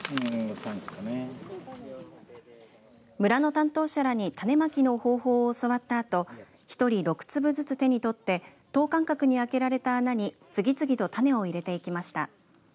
村の担当者らに種まきの方法を教わったあと１人６粒ずつ手にとって等間隔に開けられた穴に次々と種を入れていきました。